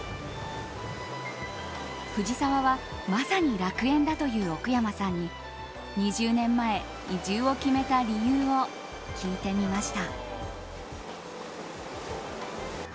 藤沢は、まさに楽園だという奥山さんに２０年前、移住を決めた理由を聞いてみました。